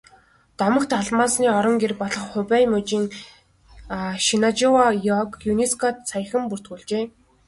Домогт алмасны орон гэр болох Хубэй мужийн Шеннонжиа ойг ЮНЕСКО-д саяхан бүртгүүлжээ.